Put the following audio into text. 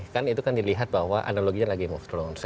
kan itu kan dilihat bahwa analoginya lagi move throne